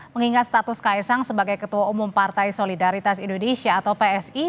mengingat status kaisang sebagai ketua umum partai solidaritas indonesia atau psi